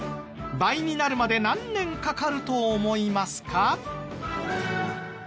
倍になるまで何年かかると思いますか？